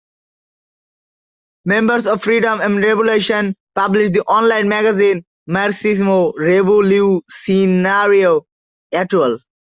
Members of Freedom and Revolution publish the online magazine Marxismo Revolucionario Atual.